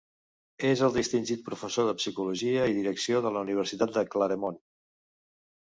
És el distingit professor de psicologia i direcció de la Universitat de Claremont.